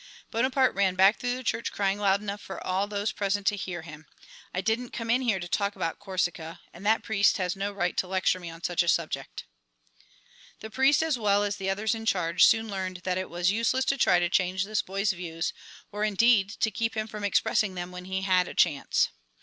Bonaparte ran back through the church crying loud enough for all those present to hear him, "I didn't come in here to talk about Corsica, and that priest has no right to lecture me on such a subject!" [Illustration: NAPOLEON AS A CADET IN PARIS] The priest as well as the others in charge soon learned that it was useless to try to change this boy's views, or indeed to keep him from expressing them when he had a chance.